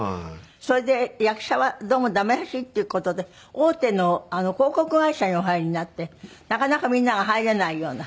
それで役者はどうもダメらしいっていう事で大手の広告会社にお入りになってなかなかみんなが入れないような？